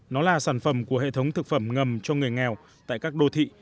nó là sản phẩm của hệ thống thực phẩm ngầm cho người nghèo tại các đô thị